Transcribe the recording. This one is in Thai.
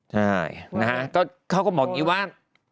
ใช่นะฮะเขาก็บอกอย่างนี้ว่า